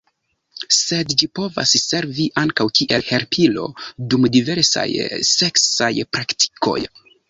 Sed ĝi povas servi ankaŭ kiel helpilo dum diversaj seksaj praktikoj.